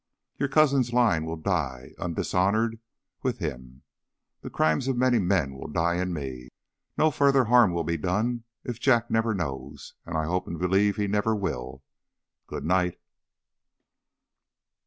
Your cousin's line will die, undishonoured, with him. The crimes of many men will die in me. No further harm will be done if Jack never knows. And I hope and believe he never will. Good night."